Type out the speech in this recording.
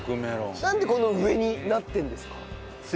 なんでこんな上になってるんですか？